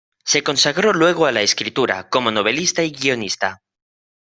Se consagró luego a la escritura, como novelista y guionista.